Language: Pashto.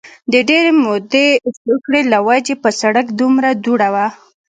د ډېرې مودې سوکړې له وجې په سړک دومره دوړه وه